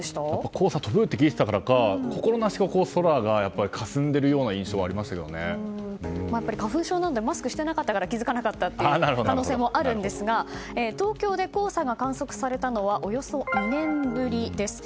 黄砂、飛ぶと聞いていたからか心なしか空がかすんでいる花粉症なんでマスクをしていなかったから気づかなかった可能性もあるんですが東京で黄砂が観測されたのはおよそ２年ぶりです。